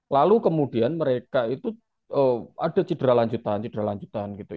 lalu kemudian mereka itu ada cedera lanjutan cedera lanjutan gitu